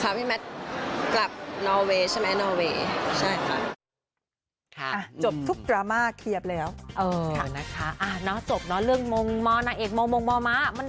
พี่แมทกลับนอเวย์ใช่ไหมนอเวย์